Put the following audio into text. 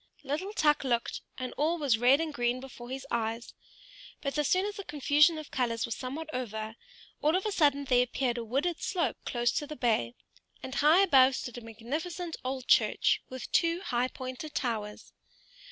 Little Tuk looked, and all was red and green before his eyes; but as soon as the confusion of colors was somewhat over, all of a sudden there appeared a wooded slope close to the bay, and high up above stood a magnificent old church, with two high pointed towers.